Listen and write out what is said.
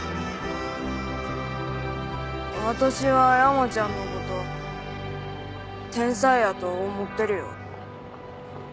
私は山ちゃんのこと天才やと思ってるよ。